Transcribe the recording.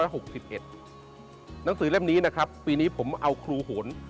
หนังสือเล่มนี้นะครับปีนี้ผมเอาครูหลวงศิษฐ์